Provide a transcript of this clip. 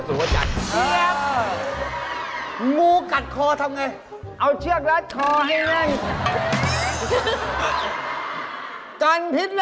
สวัสดีครับพี่